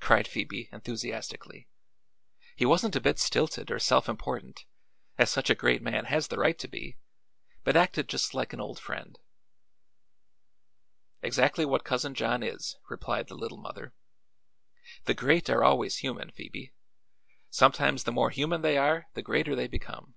cried Phoebe, enthusiastically. "He wasn't a bit stilted or self important, as such a great man has the right to be, but acted just like an old friend." "Exactly what Cousin John is," replied the Little Mother. "The great are always human, Phoebe; sometimes the more human they are the greater they become.